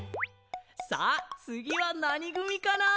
「さあ、つぎはなにぐみかな？」